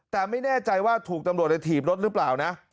แต่ไม่แน่ใจว่าถูกตำรวจในถีบรถหรือเปล่านะ